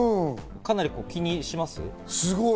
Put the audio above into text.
かなり気にします？